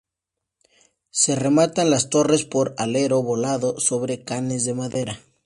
Se rematan las torres por alero volado sobre canes de madera.